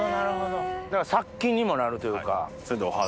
だから殺菌にもなるというか。